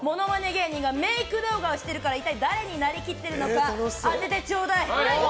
芸人がメイク動画をしているから一体誰になりきっているのか当ててちょうだい！